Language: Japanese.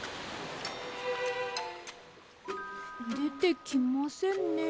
でてきませんね。